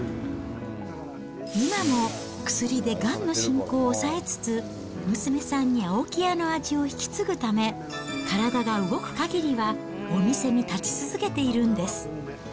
今も薬でがんの進行を抑えつつ、娘さんに青木屋の味を引き継ぐため、体が動くかぎりは、お店に立ち続けているんです。